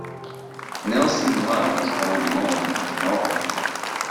Nilssen-Love was born in Molde, Norway.